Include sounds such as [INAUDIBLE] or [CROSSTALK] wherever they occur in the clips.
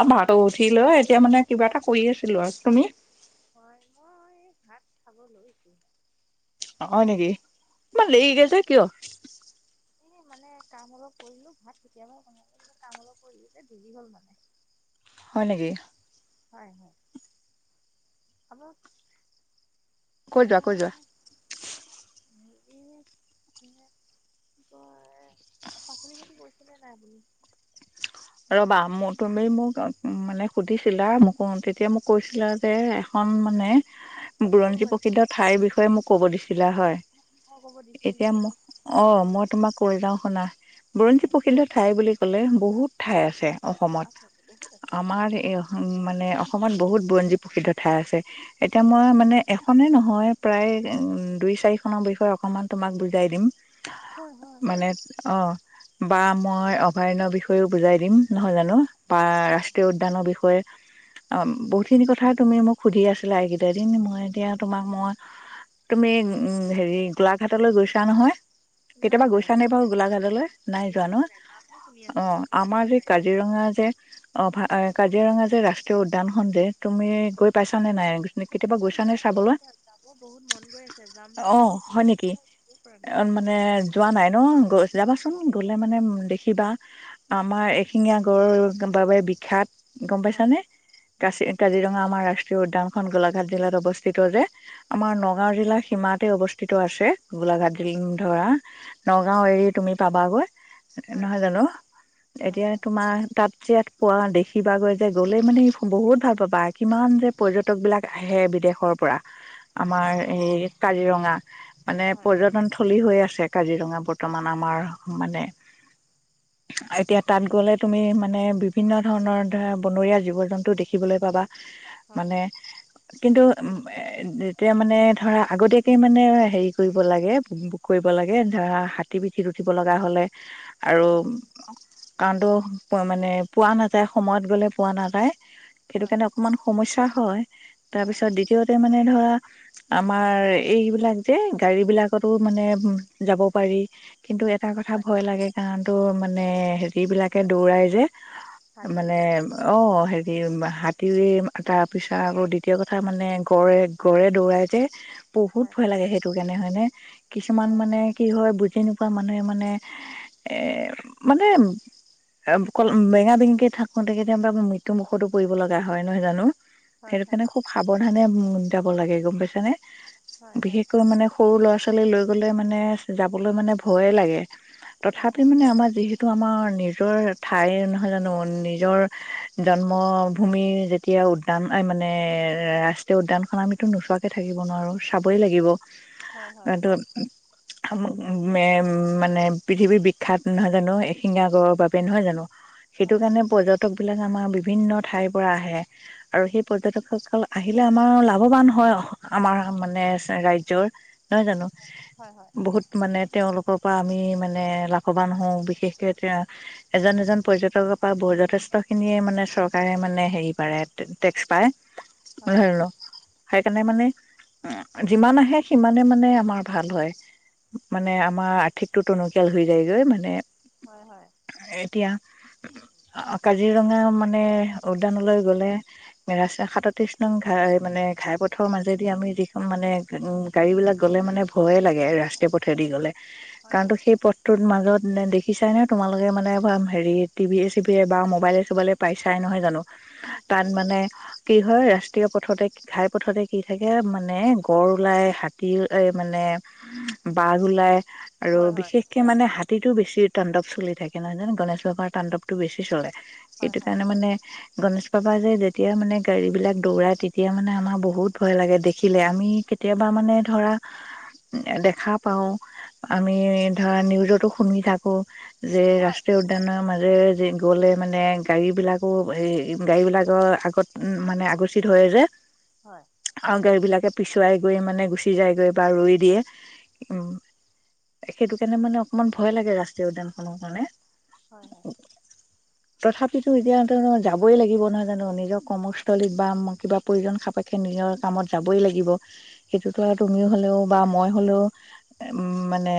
অ' [UNINTELLIGIBLE] উঠিলৈ এতিয়া মানে কিবা এটা কৰি আছিলোঁ আৰু তুমি? হয়, মই ভাত খাব লৈছোঁ হয় নেকি? ইমান দেৰিকে যে‌ কিয়? এই মানে কাম অলপ কৰিলো ভাত কেতিয়াবায়ে বনালো, কাম অলপ কৰিলো যে, দেৰি হ'ল মানে। হয়, নেকি? হয়, হয় হ'ব। কৈ যোৱা, কৈ যোৱা। হেৰি, এই কি কয়, পাচলি খেতি কৰিচেনে নাই আপুনি? ৰ'বা, মোৰ তুমি মোক মানে সুধিছিলা মোক তেতিয়া হয় মোক কৈছিলা কৰিছিলোঁ যে, এখন মানে সৰু বুৰঞ্জী প্ৰসিদ্ধ ঠাইৰ বিষয়ে মোক ক'বডি হয়, বাগিছা ক'ব দিছিলোঁ এতিয়া মানে ক- অ' মই তোমাক কৈ যাওঁ শুনা, বুৰঞ্জী হয় প্ৰসিদ্ধ ঠাই বুলি ক'লে বহুত ঠাই হয় আছে অঁ অসমত, আছে আছে বহুত আছে আমাৰ এই মানে অসমত বহুত বুৰঞ্জী প্ৰসিদ্ধ ঠাই আছে। এতিয়া হয় মই মানে এখনে নহ মই প্ৰায় দুই, চাৰিখনৰ বিষয়ে অকমান তোমাক বুজাই দিম। হয় হয় মানে অ' বা মই অভয়াৰণ্য বিষয়েও বুজাই দিম নহয় জানো? বা ৰাষ্ট্ৰীয় উদ্যানৰ বিষয়ে আ, বহুতখিনি কথা তুমি মোক সুধি আছিলা এইকেইটা দিন মই এতিয়া তোমাক মই তুমি উ, হেৰি গোলাঘাটলৈ গৈছা নহয়? নাই কেতিয়াবা নাই গৈছা গৈ নে বাৰু গোলাঘাটলৈ নাই গৈ যোৱা পোৱা নহ? নাই নামহে শুনি আছোঁ কিন্তু গৈ পোৱা নাই অ'। কাজিৰঙা যে, অভ কাজিৰঙা যে, ৰাষ্ট্ৰীয় উদ্যানখন যে তুমি গৈ পাইছা নে নাই কেতিয়াবা অঁ গৈছা নে নাই চাবলৈ? গৈছোঁ যাব বহুত মন গৈ আছে যাম যাম অ', বুলি হয়, ভাবি নেকি সময় উলিয়াব পৰা নাই অ', মানে কওকচোন যোৱা নাই ন যাবাচোন? ই গ'লে মানে দেখিবা আমাৰ হয় এশিঙীয়া গঁড় [UNINTELLIGIBLE] বাবে বিখ্যাত গম পাইছাঁ হয় নে? হয় কাচ- কাজিৰঙা আমাৰ ৰাচ উদ্যানখন গোলাঘাট জিলাত অৱস্থিত যে? আমাৰ হয় নগাঁও জিলাৰ সীমাত তে অৱস্থিত আছে। [INAUDIBLE] নগাঁও এৰি তুমি পাবাগৈ হয় নহয় জানো? হয় এতিয়া, হয় তোমাৰ তা [UNINTELLIGIBLE] পোৱা দেখিবাগৈ যে গ'লেই মানে বহুত ভাল পাবা, কিমান যে পৰ্যটক বিলাক আহে বিদেশৰ পৰা! হয় হয় আমাৰ এই কাজিৰঙা মানে হয় পৰ্যটন থলী হৈ আছ যে কাজিৰঙা বৰ্তমান আমাৰ মানে এতিয়া তাত গ'লে তুমি মানে বিভিন্ন ধৰণৰ ধৰা বনৰীয়া জীৱ জন্তু দেখিবলৈ পাবা। হয় হয় হয় হয় মানে কিন্তু এতিয়া মানে ধৰা আগতীয়াকে মানে হেৰি কৰিব লাগে বুক কৰিব লাগে ধৰা হাতী পিঠিত উঠিব লগা হ'লে আৰু কাৰণতো মানে পোৱা নাযায়, সময়ত গ'লে পোৱা নাযায়। হয় সেইটোকাৰণে অকমান সমস্যা হয়। হয় তাৰপিছত দ্বিতীয়তে মানে ধৰা আমাৰ এইবিলাক যে গাড়ী বিলাকতো মানে যাব পাৰি কিন্তু এটা কথা হয় ভয় লাগে কাৰণ তো মা মানে হেৰি বিলাকে দৌৰাই যে। মানে হাতীবোৰে অ' সেই স হাতীৰে তাৰপিছত আকৌ গঁড় দ্বিতীয় কথা মানে গড়ে গড়ে দৌৰাই যে বহুত হয় ভয় লাগে সেইটো কাৰণে। নে হয় নে? কিছুমান হয় মানে কি হয় এনেকুৱা মানুহে মানে এ মানে বেঙা বেঙেিকে থাকোতে কেতিয়া মৃত্যু মুুখতো পৰিব লগগা হয় নহয় জানো। হয় সেইটো হয় কাৰনে খুব সাব ধানে যাব লাগে গম পাইছা নে। হয় হয় বিশেষকৈ মানে সৰু ল'ৰা ছোৱালী লৈ গ'লে মানে যাবলৈ মানে ভয়ে লাগে। হয় তথাপি মানে আমাৰ যিহে তো আমাৰ নিজৰ ঠাই নহয় জানো নিজৰ জন্ম ভূমি যেতিয়া উদ্যান মানে ৰাষ্ট্ৰীয় উদ্যানখন আমিতো নোচোৱাকে থাকিব নোৱাৰো চাবই লাগিব। এ হয় হয় টো উম মে মানে পৃথিৱীৰ বিখ্যাত নহয় জানো। এশিঙীয়া গড়ৰ বাবে নহয় জানো। সেইটো হয় কাৰণে পৰ্যটক---চ বিলাক আমাৰ বিভিন্ন ঠাইৰ পৰা আহে আৰু সেই পৰ্যটকসকল আহিলে আমাৰ লাভৱান হয় আমাৰ মানে ৰাজ্যৰ নহয় জানো। হয় হয় বহুত মানে তেওঁলোকৰ পৰা আমি মানে লাভৱান হওঁ। বিশেষ এতিয়া এজন এজন পৰ্যটকৰ পৰা ব যথেষ্ট খিনিয়ে মানে চৰকাৰে মানে হেৰি পাৰে টেক্স পায়। উ ল সেইকাৰণে মানে যিমান আহে সিমানে মানে আমাৰ ভাল হয়। মানে আমাৰ আৰ্থিকটো টনকিয়াল হৈ যায়গৈ মানে হয় হয়। এতিয়া কাজিৰঙা মানে উদ্যানলৈ গ'লে মেইন ৰাষ্ট্ৰা সাতত্ৰিশ নং ঘাই মানে ঘাই পথৰ মাজেদি আমি যিখন মানে গাড়ী বিলাক গলে ৰাষ্ট্ৰীয় পথে দি গ'লে। হয় কাৰণটো হয় সেই পথটোৰ মাজত ন দেখি দেখিচাই নহয় তোমালোকে মানে হেৰি টিভিএ চিভিএ বা মোবাইলে এ চোবাইলে পাইচাই নহয় জানো? পাইছোঁ তাত পাইছোঁ মানে কি হয় ৰাষ্ট্ৰীয় পথ পথতে ঘাই পথতে কি থাকে মানে গড় ওলাই, হাতী এ মানে বাঘ ওলাই আৰু হয় হয় বিশেষকে মানে হাতীত টো বেছিট তাণ্ডৱ চলি থাকে ন জানো গণেশ বাবাৰ তণ্ডৱটো বেছি চলে। হয় সেইটোকাৰণে মানে গণেশ পাবা যে, যেতিয়া মানে গাড়ীবিলাক দৌৰায় তেতিয়া মানে আমাৰ বহুত ভয় লাগে দেখিলে আমি কেতিয়াবা মানে ধৰা দেখা পাওঁ, আমি ধৰা নিউজতো শুনি থাকো। যে, হয় ৰাষ্ট্ৰীয় উদ্যানৰ মা যে, গ'লে মানে গাড়ী বিলাকো এই গাড়ী বিলাকৰ আগত মানে আগুচি ধৰে যে আৰু গাড়ী বিলাকে পিছুৱাই গৈ মানে গুচি যায়গৈ বা ৰৈ দিয়ে উম, সেইটোকাৰণে মানে অকমান ভয় লাগে ৰাচ দানখনৰ কাৰণে হয়, হয়। তথাপিটো এতিয়া যাবই লাগিব নহয় জানো? নিজৰ কৰ্মস্থলী বা কিবা প্ৰয়োজন সাপেক্ষে নিজৰ কামত যাবই লাগিব সেইটোতো তুমি হ'লেওঁ বা মই হ'লেওঁ মানে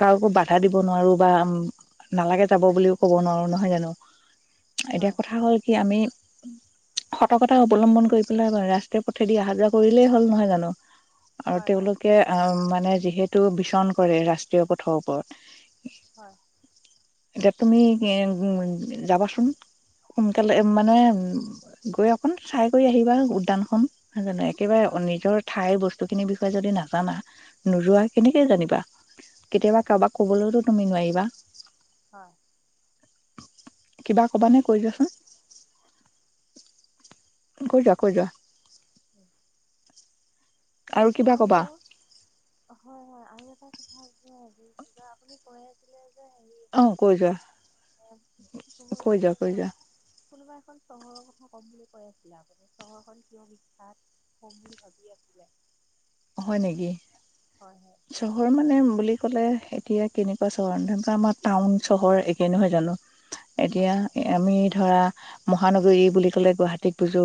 কাকো বাধা দিব নোৱাৰোঁ বা নালাগে যাব বুলিও ক'ব নোৱাৰো নহয় জানো? এতিয়া কথা হ'ল, কি আমি সতৰ্কতা অৱলম্বন কৰি পেলাই ৰাস্তাই পথেদি অহা যোৱা কৰিলেই হ'ল নহয় জানো? আৰু হয় হয় হয় তেওঁলোকে আ, মানে যিহে টো বিচৰন কৰে ৰাষ্ট্ৰীয় পথৰ ওপৰত। হয়। এতিয়া তুমি উ, যাবাচোন। সোনকালে মানে গৈ অকন চাই কৰি আহিবা উদ্যানখন। নহয় জানো? একেবাৰে নিজৰ ঠাই বস বস্তুখিনিৰ বিষয়ে যদি নাজানা নোযোৱা কেনেকে জানিবা? হয় কেতিয়াবা কাৰোবাক ক'বলৈয়োতো তুমি নোৱায়িবা। হয়। কিবা ক'বা নে কৈ যোৱাচোন? কৈ‌ যোৱা, কৈ‌ যোৱা। উম। আৰু তাকেই কিবা কবা বোলো হয়, হয় আৰু এটা কথা [UNINTELLIGIBLE] [UNINTELLIGIBLE] আপুনি কৈ আছিলে অ কৈ যোৱা কৈ যোৱা কৈ যোৱা [UNINTELLIGIBLE] কোনোবা এখন চহৰৰ কথা কম বুলি কৈ আছিলে আপুনি, চহৰখন কিয় বিখ্যাত? কম বুলি ভাবি আছিলে। হয় নেকি? হয় হয় চহৰ মানে বুলি ক'লে এতিয়া কেনেকুৱা চহৰ? আমাৰ টাউন, চহৰ একে নহয় জানো? এতিয়া হয় আমি ধৰা মহানগৰী বুলি ক'লে গুৱাহাটীক বুজো।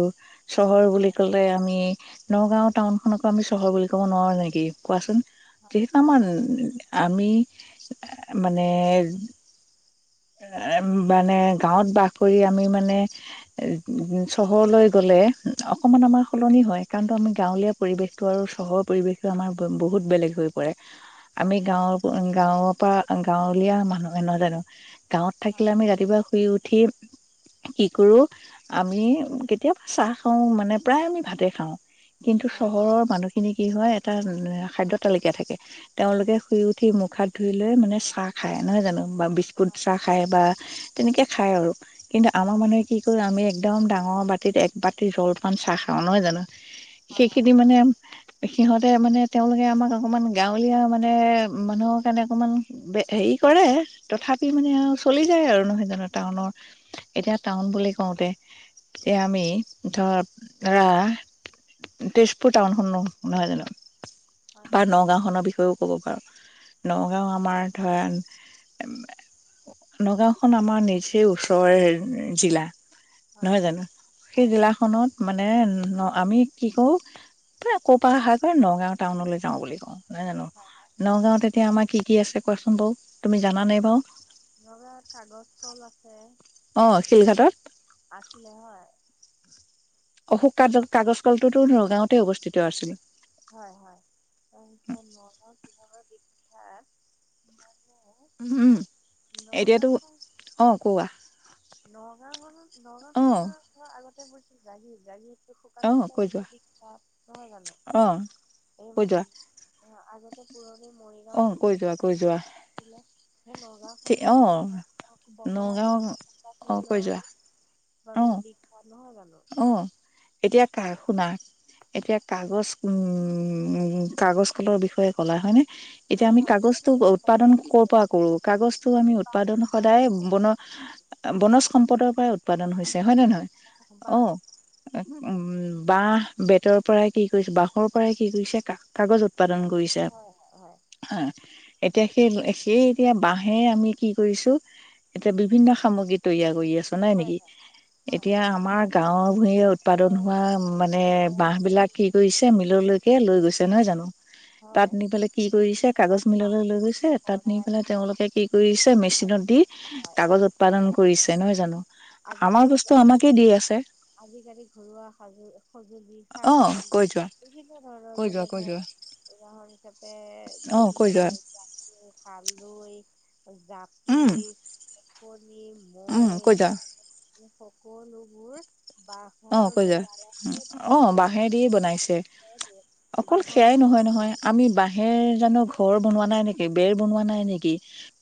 চহৰ বুলি হয় ক'লে আমি নগাঁও টাউন খনকো আমি হৰ বুলি ক'ব নোৱাৰো নেকি কোৱাচোন? যিহেতু হয় আমাৰ আমি মানে মানে গাঁৱত বাস কৰি আমি মানে চহৰলৈ গ'লে অকমান আমাৰ সলনি হয়, কাৰণতো আমি গাঁৱলীয়া পৰিৱেশটো আৰু চহৰৰ পৰিৱেশতো আমাৰ বহুত বেলেগ হৈ পৰে। আমি হয় হয় গাঁৱৰ, গাঁওৰ পা গাঁৱলীয়া মানুহে নহয় জানো? গাঁৱত হয় থাকিলে আমি ৰাতিপুৱা শুই উঠি কি কৰো? আমি কেতিয়াবা চাহ খাওঁ মানে প্ৰায় আমি ভাতে খাওঁ। কিন্তু হয় চহৰৰ মানুহখিনি কি হয় এটা খাদ্যতালিকা থাকে, তেওঁলোকে শুই উঠি মুখ, হাত ধুই লৈ মানে চাহ খাই নহয় জানো? বা বিস্কুট তেনেকে খায় আৰু। কিন্তু আমাৰ হয় মানুহে কি কৰে? আমি একদম ডাঙ অ', বাতিত এক বাতি জলপান চাহ খাওঁ নহয় জানো? হয় সেইখিনি মানে সিহঁত তে মানে তেওঁলোকে আমাক অকণমান গাঁৱলীয়া মানে মানুহৰ কাৰণে অকণমান হেৰি কৰে। তথা মানে আৰু চলি যায় আৰু নহয় জানো? টাউনৰ এতিয়া টাউন বুলি কওঁতে এতিয়া আমি ধৰ ৰা তেজপুৰ টাউন শুনো নহয় জানো? হয় হয় হয় হয় হয় হয় বা নগাঁওখনৰ বিষয়েও ক'ব পাৰো। নগাঁও আমাৰ ধৰা [UNINTELLIGIBLE] নগাঁওখন আমাৰ নিচেই ওচৰৰে জিলা। হয় নহয় জানো? সেই হয় জিলাখনত মানে ন আমি কি কৰো ক'পা অহা? নগাওঁ টাউনলৈ যাওঁ বুলি কওঁ। নহয় জানো? হয় হয় নগাঁৱত এতিয়া আমাক কি কি আছে কোৱাচোন বাউ? তুমি জানা নাই বাউ? নগাঁৱত কাগজ কল আছে, অ শিলঘাটত আছিলে হয়? অশুোক ঠিক- কাগ-কাগজ কলটোতো ধৰক গাঁৱতে অৱস্থিত আছিল। হয়, হয় তাৰপিছত মনৰ [UNINTELLIGIBLE] উম এতিয়াতো নগাঁওখন, অ কোৱা নগাঁওখন, অ নগাঁওখন ধৰা আগত [UNINTELLIGIBLE] জাগি, জাগি অ শুকান মাছৰ কৈ যোৱা বাবে বিখ্যাত। নহয় জানো? অ এই উম, কৈ যোৱা আগতে পুৰণি অ মৰিগাঁওখনটো কৈ যোৱা কৈ যোৱা [UNINTELLIGIBLE] সেই নগাঁওখন ঠিক অ [UNINTELLIGIBLE] নগাঁও অ কৈ যোৱা অ বাবে বিখ্যাত। নহয় জানো অ', এতিয়া কাৰ শুনা? এতিয়া কাগজ উ, কাগজ কলৰ বিষয়ে ক'লা হয় নে? এতিয়া হয় আমি হয় এতিয়া কাগজটো বৰ্তমান উৎপাদন ক'ৰ পৰা কৰো, কাগজটো আমি এই বাঁহটো উৎপাদন সদায় বন বনজ সম্পদৰ পৰা উৎপাদন আম হৈছে হয় নে গছৰ নহয়? শিপা- অ', বাঁহ উম, বাঁহ বেতৰ পৰাই কি কৰিছে বাঁহৰ পৰাই কি কৰিছে? কা কাগজত উৎপাদন কৰিছে। হয় হয় এতিয়া হয় সেই, সেই এতিয়া বাঁহে আমি কি কৰিছো এতিয়া বিভিন্ন সামগ্ৰী তৈয়াৰ কৰি নাই হয় নেকি? হয় এতিয়া আমাৰ [UNINTELLIGIBLE] ভুঁইয়ে হয় উৎপাদন হয় হোৱা মানে হয় বাঁহ বিলাক কি কৰিছে মিললৈকে লৈ গৈছে নহয় জানো? তাত হয় নি পেলাই কি কৰিছে কাগজ মিললৈ লৈ গৈছে তাত নি শৰাই পেলাই তেওঁলোকে কি কৰিছে হয় মেচিনত দি হয় কাগজ হয় উৎপাদন হয় কৰিছে নহয় জানো? আমাৰ বস্তু আমাকেই দি আছে। আজি আজিকালি ঘৰুৱা সজ সঁজুলি সা অ সজুঁলি কৈ যোৱা বিভিন্ন ধৰণৰ কৈ যোৱা যেনে, কৈ যোৱা ধৰা উদাহৰণ হিচাপে অ কৈ যোৱা জাকৈ, খালৈ। জাপি উম আকৌ উম, কৈ যোৱা। কলোবোৰ বা অ' কৈ যা অ' বাঁহে তৈয়াৰ দিয়ে বনাইছে হয় অকল বাঁহৰ সেয়াই নহয় বেৰ নহয় আমি বাঁহেৰ জানো ঘ ঘৰ বনোৱা নাই নেকি, বেৰ বনোৱা নাই নেকি,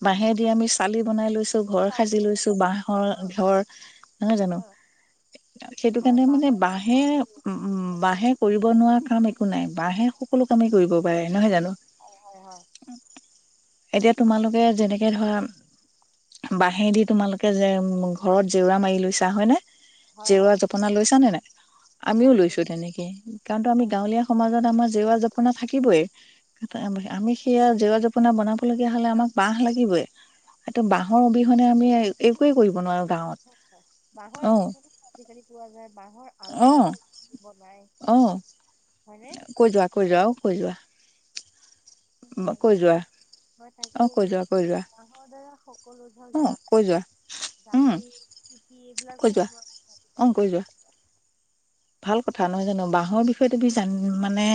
বাহেদি আমি চালি বনাই লৈছো ঘৰ চালি সাজি লৈছো। বাঁহৰ বনোৱা ঘৰ নহয় জানো? হা সেইটো হয় কাৰণে মানে বাঁহৰ বাঁহে উম বাঁহে কৰিব নোৱাৰা কাম একো নাই। বাঁহে সকলো কামেই কৰিব পাৰে নহয় জানো? হয় হয় এতিয়া তোমালোকে যেনেকে ধৰা বাঁহেদি তোমালোকে যে ঘৰত জেউৰা মাৰি লৈছা হয় নে? হয় হয় হয় জেওঁৰা-জপনা লৈছা নে নাই? আমিও নোৱাৰিছো লৈছো তেনেকে কাৰণটো আমি হয় হয় গাঁৱলীয়া সমাজত আমাৰ জেওঁৰা-জপনা থাকিবই। আমি সেয়া জেওঁৰা-জপনা বনাম। কৰিবলগীয়া হ'লে, আমাক বাঁহ লাগিবই এইটো বাঁহৰ অবিহনে আমি একোৱে কৰিব নোৱাৰোঁ [UNINTELLIGIBLE] বাঁহৰ বিচনা খন আজিকালি পোৱা যায়। বাঁহৰ অ আলনাও বনায় অ হয়নে? কৈ যোৱা কৈ যোৱা অ কৈ যোৱা কৈ আজিকালি যোৱা মই অ তাকেই কৈ বোলো যোৱা কৈ যোৱা বাঁহৰ দ্বাৰা সকলো ধৰক অ জাপ কৈ যোৱা উম জাপি, টুপী কৈ এইবিলাকো যোৱা অ বনোৱা--আজিকালি কৈ যোৱা গ্ৰাহকসকলক ভাল কথা, নহয় জানোঁ। বাঁহৰ বিষয়ে তুমি জান মানে